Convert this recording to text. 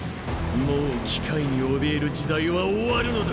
もう機械におびえる時代は終わるのだ。